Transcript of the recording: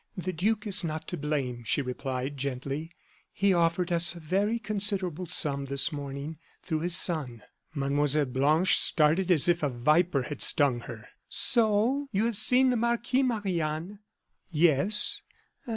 "The duke is not to blame," she replied, gently; "he offered us a very considerable sum, this morning, through his son." Mlle. Blanche started as if a viper had stung her. "So you have seen the marquis, Marie Anne?" "Yes."